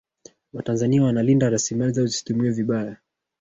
watanzania wanalinda rasilimali zao zisitumiwe vibaya